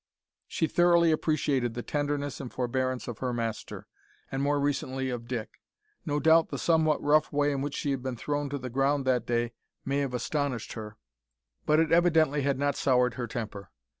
She thoroughly appreciated the tenderness and forbearance of her master, and, more recently, of Dick. No doubt the somewhat rough way in which she had been thrown to the ground that day may have astonished her, but it evidently had not soured her temper.